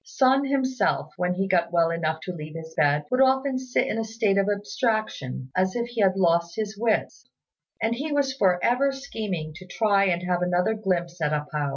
Sun himself, when he got well enough to leave his bed, would often sit in a state of abstraction as if he had lost his wits; and he was for ever scheming to try and have another glimpse at A pao.